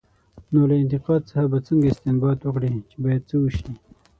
نو له انتقاد څخه به څنګه استنباط وکړي، چې باید څه وشي؟